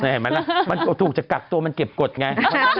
เห็นไหมล่ะมันถูกจะกักตัวมันเก็บกฎไง